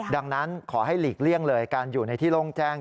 ดังนั้นขอให้หลีกเลี่ยงเลยการอยู่ในที่โล่งแจ้ง